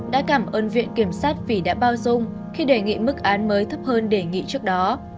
đã cảm ơn viện kiểm sát vì đã bao dung khi đề nghị mức án mới thấp hơn đề nghị trước đó